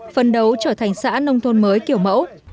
phân đấu trở thành xã nông thôn mới kiểu mẫu